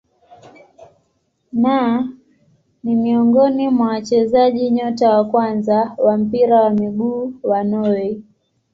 Na ni miongoni mwa wachezaji nyota wa kwanza wa mpira wa miguu wa Norway.